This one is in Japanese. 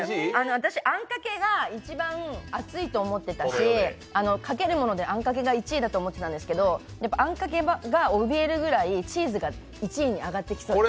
私、あんかけが一番熱いと思ってたし、かけるものであんかけが１位だと思ってたんですけどあんかけがおびえるくらいチーズが１位に上がってきそうです。